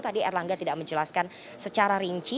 tadi erlangga tidak menjelaskan secara rinci